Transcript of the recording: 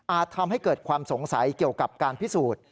ทำให้เกิดความสงสัยเกี่ยวกับการพิสูจน์